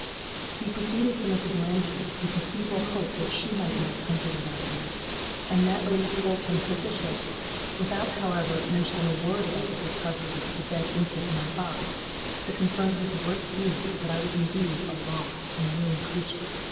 He proceeded to Mrs. Lambkin, with the feeble hope that she might know something about me; and that lady told him sufficient (without, however, mentioning a word about the discovery of the dead infant in my box) to confirm his worst fears that I was indeed a lost and ruined creature!